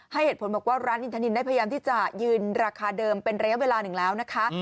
เหตุผลบอกว่าร้านอินทานินได้พยายามที่จะยืนราคาเดิมเป็นระยะเวลาหนึ่งแล้วนะคะ